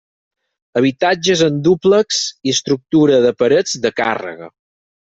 Habitatges en dúplex i estructura de parets de càrrega.